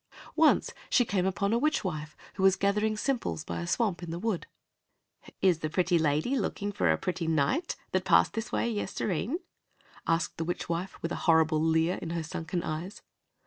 Once she came upon a witch wife who was gathering simples by a swamp in the wood. "Is the pretty lady looking for the pretty knight that passed this way yestere'en?" asked the witch wife, with a horrible leer of her sunken eyes.